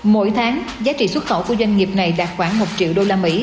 mỗi tháng giá trị xuất khẩu của doanh nghiệp này đạt khoảng một triệu usd